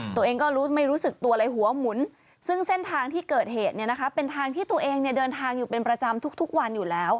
ตัวเองก็ไม่รู้สึกตัวเลยหัวหมุนซึ่งเส้นทางที่เกิดเหตุเนี่ยนะคะเป็นทางที่ตัวเองเดินทางอยู่เป็นประจำทุกวันอยู่แล้ว